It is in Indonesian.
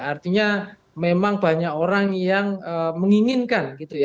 artinya memang banyak orang yang menginginkan gitu ya